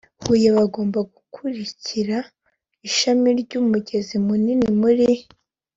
ihuye bagomba gukurikira ishami ry umugezi munini muri